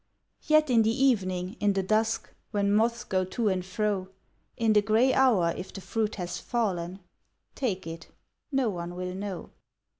Yet in the evening, in the dusk When moths go to and fro, In the gray hour if the fruit has fallen, Take it, no one will know.